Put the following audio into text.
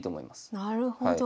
なるほど。